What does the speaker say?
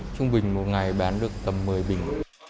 trung bình một ngày bán được tầm một mươi bình